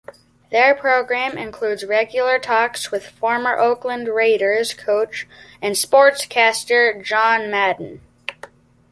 Their program includes regular talks with former Oakland Raiders coach and sportscaster John Madden.